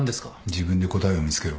自分で答えを見つけろ。